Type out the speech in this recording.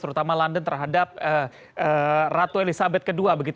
terutama london terhadap ratu elizabeth ii